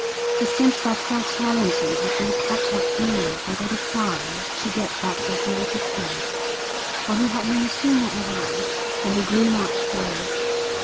It seemed that Fred Allerton had been kept up only by the desire to get back to his native place, for he had no sooner arrived than he grew much worse.